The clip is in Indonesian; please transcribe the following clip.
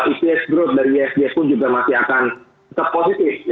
ips growth dari isg pun juga masih akan tetap positif